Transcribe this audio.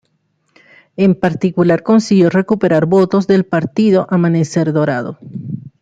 En particular, consiguió recuperar votos del partido Amanecer Dorado.